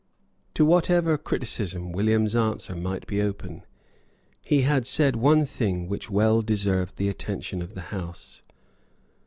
To whatever criticism William's answer might be open, he had said one thing which well deserved the attention of the House.